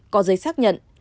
có giấy xác nhận